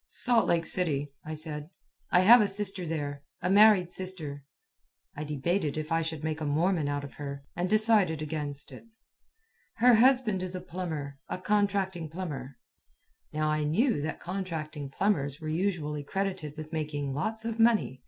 "Salt Lake City," said I. "I have a sister there a married sister." (I debated if I should make a Mormon out of her, and decided against it.) "Her husband is a plumber a contracting plumber." Now I knew that contracting plumbers were usually credited with making lots of money.